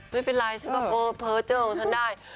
ไม่เป็นไรฉันแบบเออเผอเจอของฉันได้